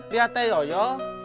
lihat teh yoyo